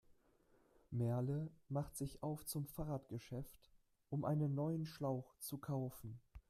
Merle macht sich auf zum Fahrradgeschäft, um einen neuen Schlauch zu kaufen.